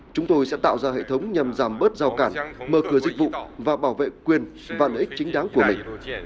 chúng tôi sẽ tạo ra hệ thống nhằm giảm bớt giao cản mở cửa dịch vụ và bảo vệ quyền và lợi ích chính đáng của mình